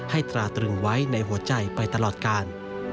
ตราตรึงไว้ในหัวใจไปตลอดกาล